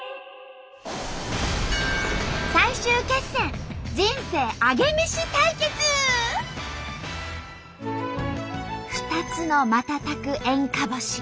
最終決戦２つの瞬く演歌星。